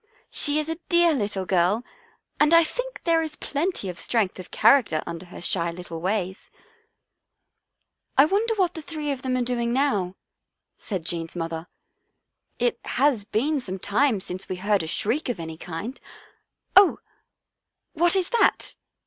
" She is a dear little girl and I think there is plenty of strength of character under her shy little ways." " I wonder what the three are doing now," said Jean's mother. " It has been some time since we heard a shriek of any kind — oh — what is that?"